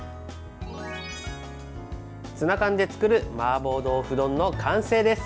ツナ缶で作るマーボー豆腐丼の完成です。